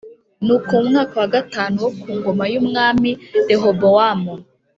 Nuko mu mwaka wa gatanu wo ku ngoma y’Umwami Rehobowamu